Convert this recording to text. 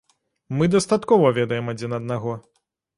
Мы дастаткова ведаем адзін аднаго.